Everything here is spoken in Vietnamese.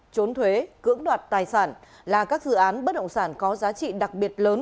trốn thuế cưỡng đoạt tài sản là các dự án bất động sản có giá trị đặc biệt lớn